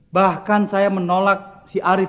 bahkan saya menolak si arief